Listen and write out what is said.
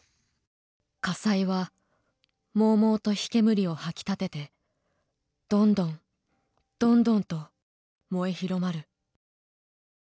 火災はもうもうと火煙をはき立ててどんどん、どんどんと燃え広まる。